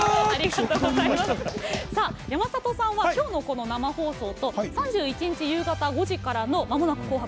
さあ、山里さんは今夜の、この生放送とそして３１日夕方５時からの「まもなく紅白！